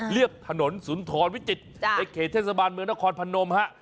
ถนนสุนทรวิจิตรในเขตเทศบาลเมืองนครพนมฮะ